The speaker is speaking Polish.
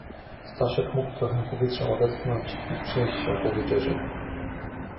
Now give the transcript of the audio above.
"Staszek mógł trochę powietrzem odetchnąć i przejść się po wieczerzy."